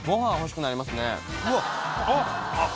うわっあっ！